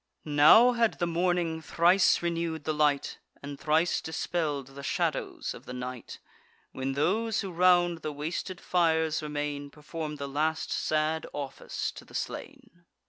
Now had the morning thrice renew'd the light, And thrice dispell'd the shadows of the night, When those who round the wasted fires remain, Perform the last sad office to the slain.